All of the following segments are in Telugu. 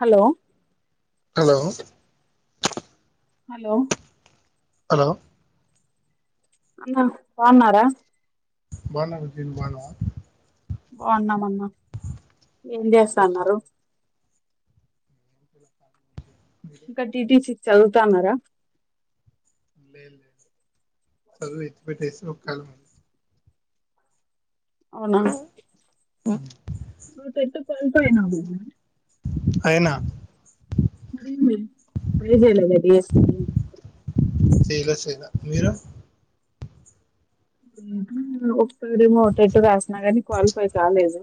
హలో హలో హలో హలో అన్న బాగున్నారా బాగున్నా బుజ్జి ను బాగున్నావా బాగున్నాం అన్నా ఏం చేస్త న్నారు? ఉ గడ్డి దీసి చదువుతాన్నారా? లేదు లే చదువు విడిచిపెట్టేసి ఒక కళ మ అవునా ను పెట్టు తల పై నాది అయినా మరే చే లేదా డియస్పి కి చేయలే చేయలే మీరు [unintelligible] రిమో టెట్టు రాసిన కానీ క్వాలిఫై కాలేదు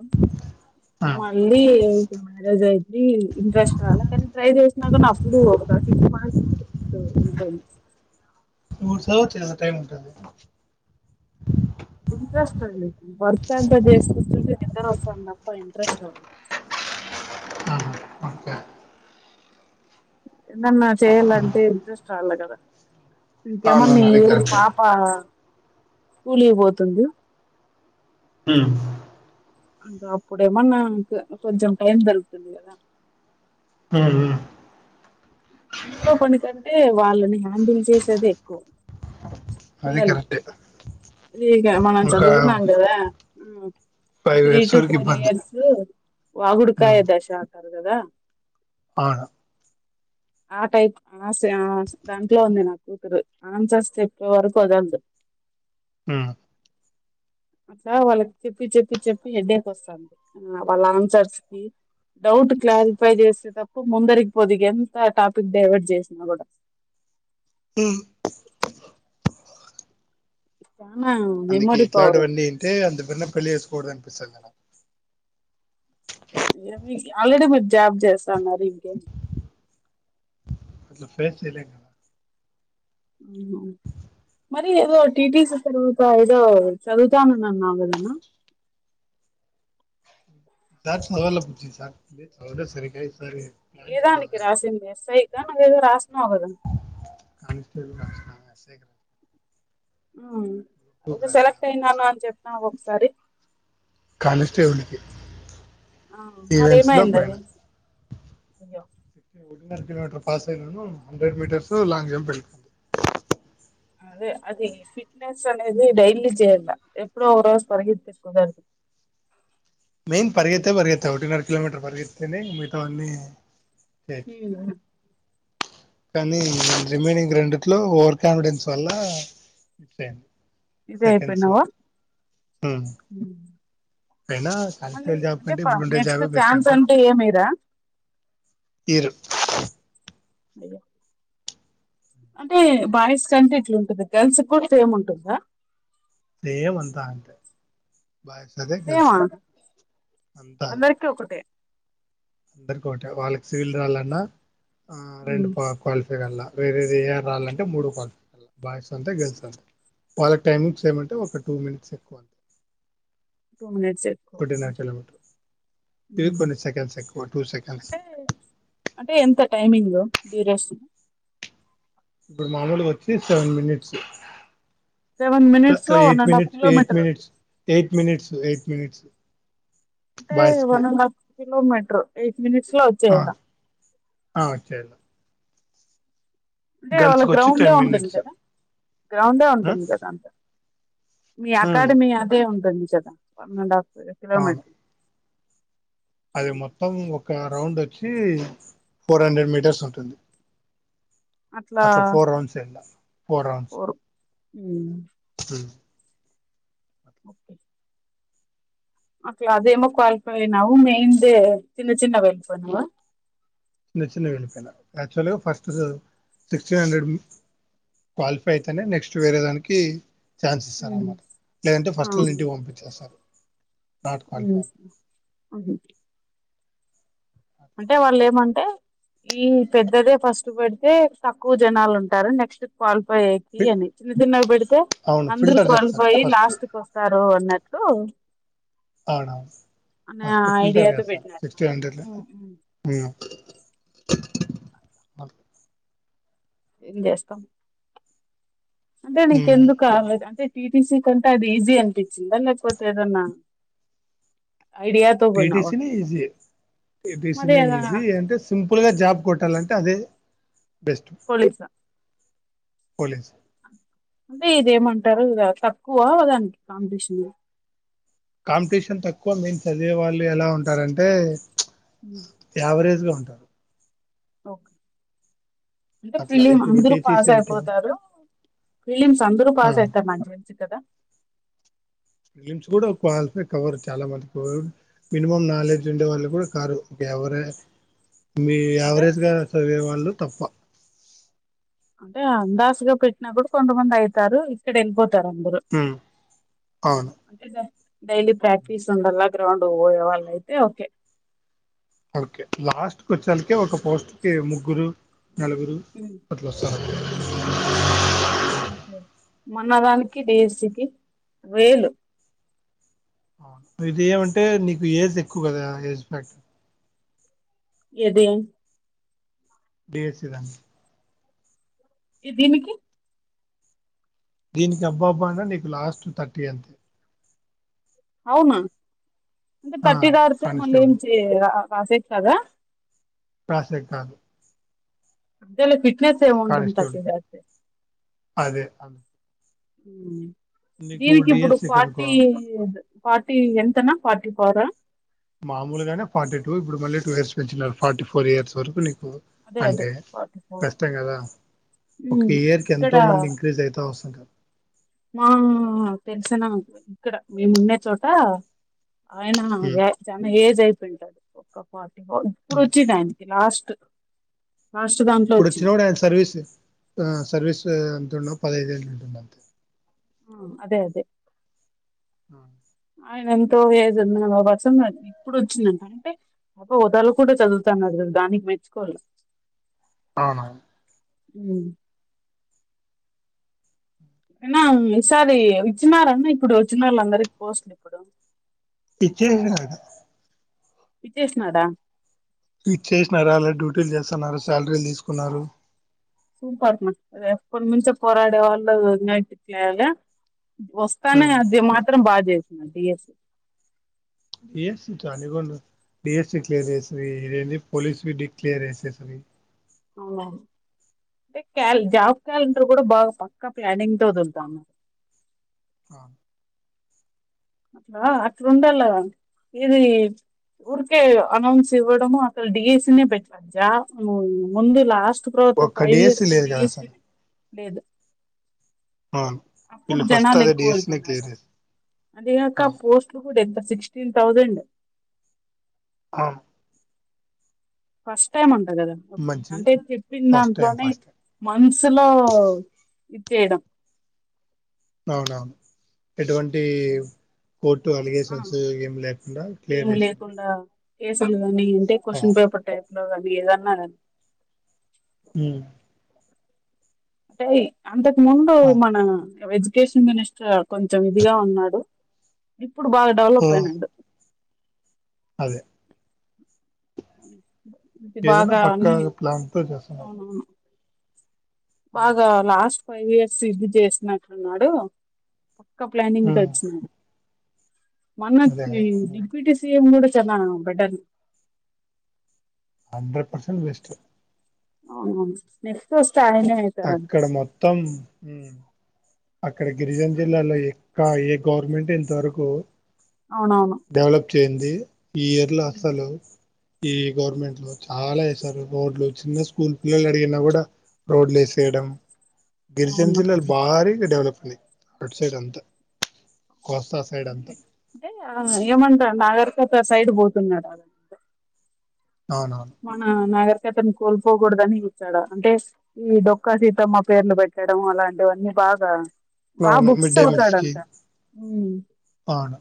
ఆ మళ్ళీ మ్యారేజ్ అయి ఇ ఇంట్రెస్ట్ రాలే కానీ ట్రై చేసినాగుణ అప్పుడు ఒక సిక్స్ మంత్స్ సయి చుశా చాలా టైం ఉంటది ఇంట్రెస్ట్ అండి వర్క్ అంటే జస్ట్ కూర్చుంటే నిద్ర వస్తాంది తప్ప ఇంట్రెస్ట్ రాదు ఆహా ఓకే ఎద్దన్న చేయాలంటే ఇంట్రెస్ట్ రాలకదా ఇంకేమన్నా అవునవును ఈ అది ఇయర్ కరెక్టే పాపా స్కూల్ కి పోతుంది హ్మ అంటే అప్పుడేమన్న కొంచెం టైం దోరుకుతుంది కదా హా హా ఇంట్లో పని కంటే వాళ్ళని హ్యాండిల్ చేసేదే ఎక్కువ అది పిల్లలు కరెక్టే లేకే మనం ఒక చదువుకున్నాం కదా ఆ ఫైవ్ త్రీ ఇయర్స్ టు వరకు ఫోర్ ఇబ్బంది ఇయర్స్ వగుడుకాయ దశా [unintelligible] గదా ఆవును ఆ టైప్ ఆ ఆ దాంట్లో ఉంది నా కూతురు ఆన్సర్స్ చెప్పే వరకు వదలదు హ అట్లా వాళ్ళకి చెప్పి చెప్పి చెప్పి హడ్డేక్ వస్తాంది వాళ్ళ ఆన్సర్స్ కి డౌట్ క్లారిఫై చేసే తప్ప ముందరిగిపోదు ఎంత టాపిక్ డైవర్ట్ చేసినా కూడా అ చానా అందుకె మెమొరీ పవర్ ఎట్లాంటివన్నీ ఉంది వింటే అంత బిరిన పెళ్ళ చెస్ కూడుద అనిపిస్తది మేడమ్ ఏమి ఆల్రెడీ మీరు జాబ్ చేస్తన్నారు ఇంకేమ అట్లా ఫేక్ చేయలేం కదా అవును మరి ఏదో టీటీసీ తర్వాత ఏదో చదువుతాననవ్ కదా అన్న సార్ చదవాలా బుజ్జి సార్ చదవాలే సరిగా ఈసారి ప్లాన్ చేయాలి ఏదానికి ఒకవేళ రాసింది ఎస్ ఐ క నువ్వు ఏదో రాసినవు కదా కానిస్టేబుల్ రాసిన [unintelligible] హ్మ టూకి ఏదో రాసిన సెలెక్ట్ అయినను అని చెప్ప నా ఒకసారి కానిస్టేబుల్ కి ఆ మరిఎమైంది అది య్యో ఒ కిలోమీటర్ పాస్ అయినను హండ్రెడ్ మ మీటర్స్ లాంగ్ జంప్ వెకంది అదే అది ఫిట్నెస్ అనేది డెలీ చేయ ఎప్పుడగతే కుదదు మెయిన్ పరిగెతే పరిగెతే ఒకర్టీన్ ఆర్ కిలోమీటర్ పరిగెతేనే మితా అన్నీ చేయొచ్చు హ్మ్మ్ కానీ రిమైనింగ్ రెండిట్లో ఓవర్ కాన్ఫిడెన్స్ వల్ల ఇస్ అయింది సెకండ్స్ లో ఇదేపోన్నావా పనా కానిస్టేబుల్ల్ జాబ్ కంటే బ్లూంటైల్ జాబే బెస్ట్ ఛాన్స్ అనుకో అంటే ఏమిరా తీరు అ అంటే బాయ్స్ కంటే ఇట్లాంటుంది గర్ల్స్ కూడా సేమ్ ఉంటుందా సేమందాంట సే అందరికి ఒకటే అందరికోట వాళ్ళకి సివిల్ రాళ్ాలన్నా ఆ రెండు పాాలి వేరే ఏ రాాలంటే మూడో కా బాయస్ అంతే గర్ల్స్ అంతాే వాళ్ళ టైమింగ్స్ ఏమంటే ఒక టూ మినిట్స్ ఎక్కువ అంతా టూ మినిట్స్ ఎక్కువ ఫటి కిలోమీటర్ ఇవి కొన్ని సెకండ్ స అంటే అంటే ఎంత టైమి క్యూరస్ ఇప్పుడు మామూలుకి వచ్చి సెవెన్ మినిట్స్ సెవెన్ మినిట్స్ లో one eight and half minutes eight kilometre minutes eight minutes a minutes అంటే బాయ్స్ కి వనడ కిలోమీటర్ మినిట్స్ లో వచ్చాయద ఆ చేేలే అంటే వాళ్ళ వచ్చి టెన్ గ్రౌండడ్ ఉంటుంది మినిట్స్ కదా గ్రౌండే ఉంటుంది కదా అంత మీ అకాడమీ అదే ఉంట వన్ అండ్ ఆఫ్ అవును కిలోమీటర్ అది మొత్తం ఒక గ్రౌండ్ వచ్చి ఫోర్ హండ్రెడ్ మీటర్స్ ఉంటుంది అట్లా ఫోర్ రౌండ్స్ వేయాల ఫోర్ రౌండ్స్ ఉ [inaudible] ముప్పై అట్ల అదేమో క్వాలిఫై అయినావు మెయిన్దే చిన్న చిన్న వెల్పోయినావా చిన్న చిన్న వెళ్ళిపెళ్ళ. యాక్చువల్గా ఫస్ట్ సిక్స్టీన్ హండ్రెడ్ మీ క్వాలిఫై అయితేనే. నెక్స్ట్ వేరే దానికి. ఛాన్స్ ఇస్తారనమాట లేదంటే ఫస్ట్ల్న్నీ ఇంటికి పంపించేస్తారు. నాట్ ఉహ్ క్వాలిఫై హు అదే అంటే వాళ్ళు ఏమంటే. ఈ పెద్దదే ఫస్ట్ పెడితే తక్కువ జనాలు ఉంటారు. నెక్స్ట్ క్వాలీ ఫైకి అని చిన్న చిన్నగా పెడితే అవును అందరూ ఫిల్టర్ చేస్తారు కోల్పోయి. ఫస్ట్ లాస్ట్కి వస్తారు అన్నట్ టూ అవునావున్ ఫస్ట్ ఫిల్టర్ ఐడియాతో చేస్తారు. పెట్టినారు సిక్స్టీన్ హండ్రెడ్ల ఆహ్ [unintelligible] ఏం జెస్తాం అంటే నీకెందుకు అల్లది అంటే టీ. టీ. సి కంటే అది ఈజీ అనిపించిందా? లేకపోతే ఏదన్నా! ఐడియాతో టీ. టీ. పోయినావా సీనే ఈజీ పి. టీ. మరి సీనే అద ఈజీ అంటే సింపుల్ గా జాబ్ గోట్టాలంటే అదే బెస్టు పోలీసా పోలీస్ అంటే ఇదేమంటారు ఇగ తక్కువ దానికి కాంపిటీషన్ కాంపిటీషన్ తక్కువ. మేన్ చదివే వాళ్ళు ఎలా ఉంటారంటే. యావరేజ్ గా ఉం టారూ ఓకే అంటే అట్లా ఫిలిం ఇప్పుడు అందరుూ టీటీసీ పాస్ అనుకో అయిపోతారు. ఫిలిమ్స్ అందరుూ ఆ పాస్ అయితారు నాకు తెల్సి కదా. ఫిలిమ్స్ కూడా క్వాలిఫై కవరూ. చాలా మందికి మినిమం నాలెడ్జ్ ఉండే వాళ్ళు గూడా కారు. ఒక ఎవరే మీ అంటే యావరేజ్ గా చదివేవాళ్ళు తప్ప అంటే అందాస్ గా పెట్నా కూడా కొంతమంది అయితారు. ఇక్కడ ఏళ్ళిపోత్ తర్ అందరువుమ్ ఉమ్ అవును అంటే డైలీ ప్రాక్టీస్ ఉండల్ల. గ్రౌండ్ పోయే వాళ్ళ అయితే ఓకే ఓకే లాస్ట్ కొచ్చలకే ఒక పోస్ట్ కి ముగ్గురు నలుగురు ఉమ్. అట్లొస్సరు. అంతే మన్నదానికి దేశీకి వేలు అవున్ మీదియ్యామంటే నీకు ఏజ్ ఎక్కువ కదా. ఏజ్ బ్యాక్ట్ ఏది బేసిదాం ఈ దీనికి దీనికి అబ్బా అబ్బా అన్నా నీకు లాస్ట్ థర్టీ అంతే అవునా అంటే ఆ థర్టీ దాటితే మళ్ళీ కానిస్టేబుల్ ఏం చేయలేరా ప్రసెట్ కదా ప్రసెట్ కాదు అంతేలే [inaudible] [inaudible] థర్టీ కానిస్టేబుల్ దాటితే అదే అదే. ఉ నీకు దీనికి ఇప్పుడు డిఎస్సి పార్టీ కనుకో ఇయ్యద్దు ఫార్టీ ఎంతన్న పార్టీఫోర్ హా మామూలుగానే ఫార్టీ టూ ఇప్పుడు మళ్ళీ టూ ఇయర్స్ పెంచినన్నారు ఫార్టీ ఫోర్ ఇయర్స్ వరకు నీకు అదే అదే అంటే ఫార్టీ ఫోర్ కష్టం కదా హ్ ఒక ఇయర్ కి ఇక్కడ ఎంతో మంది ఇంక్రీజ్ అవుతా వస్తుంటారు మా తెలిసిన ఇక్కడ మేము ఉండే చోట ఆయన అదే చాన ఏజ్ అయిత్ పెంటద్దు ఒక పాస్ ఇప ఇప్పుడు వచ్చేది ఆయనకి లాస్ట్ లాస్ట్ దాంట్లో ఇప్పుడు వచ్చిన వచ్చింది కూడా ఆయన సర్వీసు ఆ సర్వీసు ఎంత ఉన్న పది ఐదు యేళ్లు ఉంటుంది అంతే హా అదే అదే ఆ ఆయన ఎంతో ఏజ్ ఉన్న పర్సన్ కూడా ఇప్పుడు వచ్చిందింట అంటే అబ్బా వదలు కూడా చదువుతన్నారు దానికి మెచ్చుకోలా అవునువును హు అన్న ఈసారి ఇచ్చినార అన్న ఇప్పుడు వచ్చినోళ్ళందరికీ అందరికి పోస్టుల ఇప్పుడు ఇచ్చిళ్ళు కదా ఇచ్చేసినదా ఇచ్చేసేసినారు ఆల్రెడీ డ్యూటీలు చేస్తున్నారు శాలరీలు తీసుకున్నారు సూపరన్నా ఎప్పుడు మంచిగా పోరాడే వాళ్ళు [inaudible] వస్తానే అది మాత్రం బాగా చెయ్ నైన్టీ ఇయర్స్ డిఎస్సీ చాలానే ఉన్నాయ్ డీఎస్సీ క్లియర్ చేసేవి ఇదేంది పోలీసువి డిక్లియర్ చేసేవి అవునా అంటే క్యాల్ జాబ్ క్యాలెండర్ కూడా బాగా పక్కా ప్లానింగ్ తో వదులుతున్న ఆ అట్లా అట్లుండలేన్న ఇది ఊరికే అనౌన్స్ ఇవ్వడం అక్కడ డీఎస్సీ నే బెటర్ ఆ జా నువ్వు ముందే లాస్ట్ ర్వాత ఒక్క ఫైవ్ ఇయర్స్ డిఎస్సి లో లేదు కదా డీఎస్పీ అసలు లేేదు అవును వీళ్ళు ఫస్ట్ అదే డీఎస్సీ నే క్లియర్ చేసి అధికాక పోస్టులు చూడు ఎంత సిక్స్టీన్ థౌజండ్ ఆ ఫస్ట్ టైమ్ అన్ ట కదా మంచి అంటే చెప్పిన్ ఫస్ట్ టైం దాంట్లోనే ఫస్ట్ టైం మంత్స్లో ఇద్జేయడం అవునవ్ ఎటువంటి కోర్టు ఆ అలిగేషన్స్ ఏం లేకుండా క్లియర్ చేస్ [unintelligible] మన ఇంటే క్వశ్చన్ పేపర్ టైప్ అది ఏదన్నా గని హ్ ఏయ్ అంత ముందు అదే మన వెజ్ ఎకేషన్ మినిస్టర్ కొంచం ఇదిగా ఉన్నాడు. ఇప్పుడు బాగా డవలప్ ఉమ్ అయినాడు అదే ఇది ఏదైనా బాగా పక్కా అన్ని ప్లాన్ తో చేస్తున్నారు అవునవును. ఉమ్ బాగా లాస్ట్ ఫైవ్ ఇయర్స్ ఇది చేసినట్లున్నాడు. పక్క ప్లానింగ్తో ఉమ్, వచ్చినారు అదే మనకి కదా డిప్యూటీ సిఎం గూడా [inaudible] బెటర్ హండ్రెడ్ పర్సెంట్ బెస్ట్ అవునవును నెక్స్ట్ వస్ అక్కడ మొత్తం అక్కడ గిరిజన జిల్లాలో ఏ ఇంకా ఏ గవర్నమెంట్ ఇంతవరకు అవునవును. చేయంది. ఈ ఇయర్ల అసలు ఈ గవర్నమెంట్లో చాలా ఏసారు. రోడ్లు చిన్న స్కూల్ పిల్లలడిగిన గుడా రోడ్లేసేయడం గిరిజన్ అవును జిల్లాలు భారీ డెవలప్ అయింది అటు సైడ్ అంతా కోస్తా సైడ్ అంటే అంతా ఏం మంటన్ నాగర్ [inaudible] సైడ్ పోతున్నడు. అవునవును మనా నాగ కతను కోల్పోకూడదని చుస్తాడా అంటే ఈ డొక్కా సీతమ్మ పేర్లు పెట్టడం అలాంటివన్నీ బాగా బా అవును బుక్స్ మిడ్ డే మీల్స్ కి చదుతాడంట హు అవును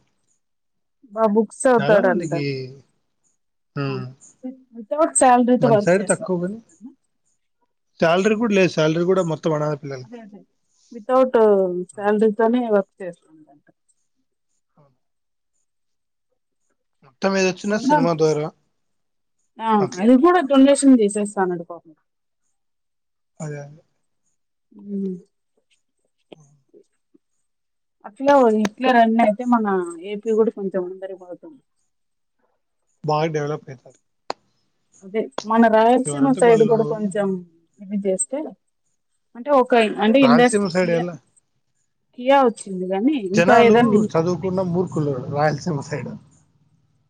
బా బుక్స్ చాలా అవుతాడంట మందికి ఉమ్, వితౌట్ శాలరీతో వర్క్ చేస్తా సాలరీ కూడా లేదు సాలరీ కూడా మొత్ అదే అదే వితౌట్ ఉమ్, సాలరీ తోని వ చేస్తుండంట అవును. మొత్తం ఏదొచ్చినా సినిమా ద్వారా ఆ అట్లా అది కూడా తొందెస్ సింది [inaudible] చేస్తా ఉన్నాడు పాపం అదే అదే హు అట్లా ఇట్లా రండి అంటే మన ఏపీ కూడా కొంచెం ముందరికి పోతుంది బాగా డెవలప్ అయితాంది అదే మన రాయలసీమ సైడ్ వాళ్ళు కూడా కొంచెం ఏ జెస్తే అంటే ఓక్ ైన్ అంటే ఇండస్టి రాయలసీమ సైడ్ ఎలా అని యావచ్చు జనాలు చదువుకున్న మూర్కులు రాయలసీమ సైడ్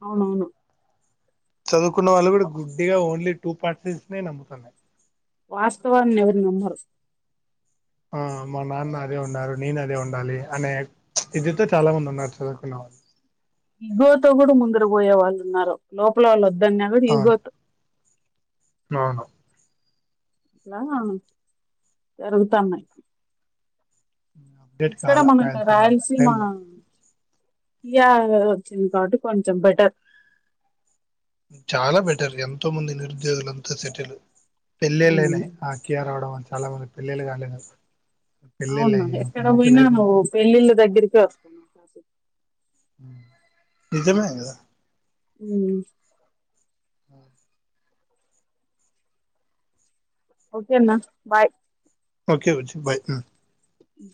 అవునవును చదువుకున్న వాళ్ళు కూడా గుడ్డిగా ఓన్లీ టూ పార్సెన్స్ నే నమ్ముతున్నాయి వాస్తవాన్ని ఎవరు నమ్మరు ఆ మా నాన్న అదే ఉన్నారు నేను అదే ఉండాలి అనే ఇదితో చాలా మంది ఉన్నారు చదువుకున్న వాళ్ళు దిగువతో కూడా ముంద పోయే వాళ్ళు ఉన్నారు లోపల్లోళ్ళ దాన్న కూడ అవును ఇగో తో అవును అట్లా జరుగుతాన్నాయి అప్డేట్ ఇక్కడ కాల మనకి రాయలసీమ టైం పీయా వచ్చింది కాబట్టి కొంచం బెటర్ చాలా బెటర్ ఎంతో మంది నిరుద్యోగులంతా సెటిల్ పెళ్ళిలైనై ఆకియా రావటం వళ్ళే చాలా మందికి పెళ్ళళ్లు కాలేదు పెళ్ళిళ్ళు అవునా అయ్యి ఒక ఎక్కడ మంచి పోయినా లైఫ్ నువ్వు పెళ్ళిళ్ళ దగ్గరికే వస్ త మాససి నిజమే కదా ఉ ఆ ఓకే అన్న బాయ్ ఓకే బుజ్జి బాయ్ రా ఇ